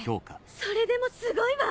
それでもすごいわ！